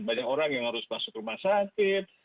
banyak orang yang harus masuk rumah sakit